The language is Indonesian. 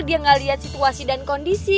dia gak liat situasi dan kondisi